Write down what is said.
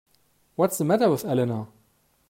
What's the matter with Eleanor?